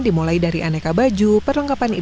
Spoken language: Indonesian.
insya allah buat lebaran rencananya